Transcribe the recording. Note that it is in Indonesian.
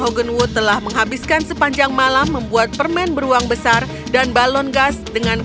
hoganwood telah menghabiskan sepanjang malam membuat permen beruang besar dan balon gas dengan